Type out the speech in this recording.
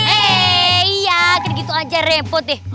hei iya kena gitu aja repot deh